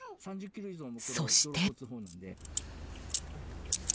そして。